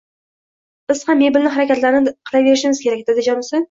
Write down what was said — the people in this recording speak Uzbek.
Biz ham mebelni harakatini qilaverishimiz kerak, dadajonisi